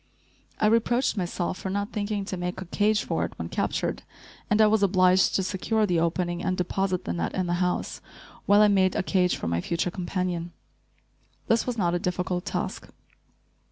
I reproached myself for not thinking to make a cage for it when captured, and I was obliged to secure the opening and deposit the net in the house, while I made a cage for my future companion. This was not a difficult task.